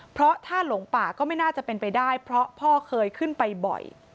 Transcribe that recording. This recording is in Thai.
เพราะถ้าหลงป่าก็ไม่น่าจะเป็นไปได้เพราะพ่อเคยขึ้นไปบ่อย